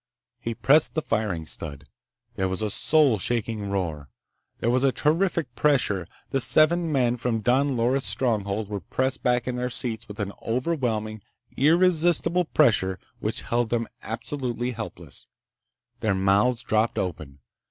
He pressed the firing stud. There was a soul shaking roar. There was a terrific pressure. The seven men from Don Loris' stronghold were pressed back in their seats with an overwhelming, irresistible pressure which held them absolutely helpless. Their mouths dropped open.